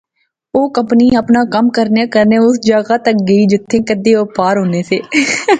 او کمپنی اپنا کم کرنیاں کرنیاں اس جاغا تک گئی جتھیں کیدے و پار ہونے سے